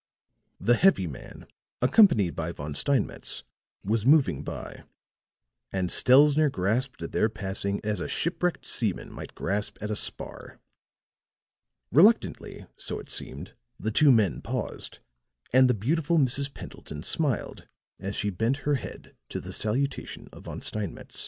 The heavy man, accompanied by Von Steinmetz, was moving by, and Stelzner grasped at their passing as a shipwrecked seaman might grasp at a spar. Reluctantly, so it seemed, the two men paused; and the beautiful Mrs. Pendleton smiled as she bent her head to the salutation of Von Steinmetz.